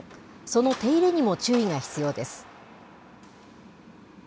その手入れにも注意が必要です。